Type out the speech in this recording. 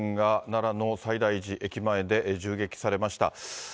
奈良の西大寺駅前で銃撃されました。